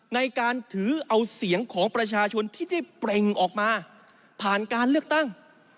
ในการถือเอาเสียงของประชาชนที่ได้เปล่งออกมาผ่านการเลือกตั้ง